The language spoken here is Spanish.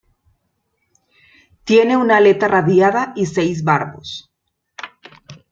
Tiene una aleta radiada, y seis barbos.